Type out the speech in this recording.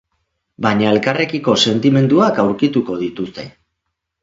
Baina elkarrekiko sentimenduak aurkituko dituzte.